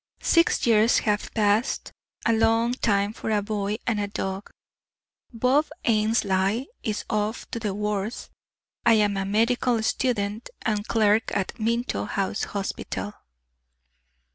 Six years have passed a long time for a boy and a dog: Bob Ainslie is off to the wars; I am a medical student, and clerk at Minto House Hospital.